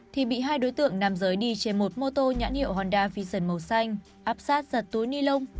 thì bị hai đối tượng nam giới đi trên một mô tô nhãn hiệu honda vision màu xanh áp sát giật túi ni lông